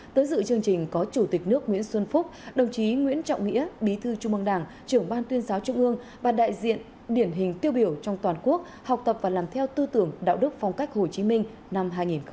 tới dự chương trình có chủ tịch nước nguyễn xuân phúc đồng chí nguyễn trọng nghĩa bí thư trung mương đảng trưởng ban tuyên giáo trung ương và đại diện điển hình tiêu biểu trong toàn quốc học tập và làm theo tư tưởng đạo đức phong cách hồ chí minh năm hai nghìn hai mươi